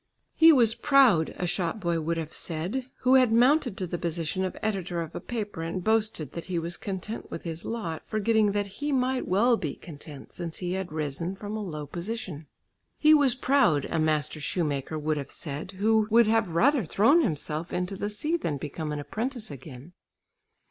"He was proud" a shop boy would have said, who had mounted to the position of editor of a paper and boasted that he was content with his lot, forgetting that he might well be content since he had risen from a low position. "He was proud" a master shoemaker would have said, who would have rather thrown himself into the sea than become an apprentice again.